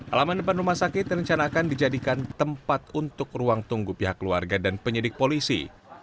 alaman depan rumah sakit direncanakan dijadikan tempat untuk ruang tunggu pihak keluarga dan penyidik polisi